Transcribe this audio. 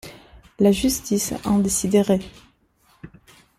La justice en déciderait.